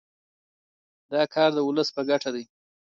دا کار د ولس په ګټه دی.